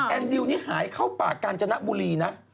ดิวนี่หายเข้าป่ากาญจนบุรีนะ